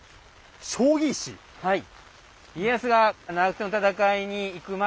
はい。